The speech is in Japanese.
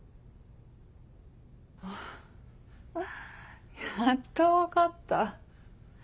あぁやっと分かった。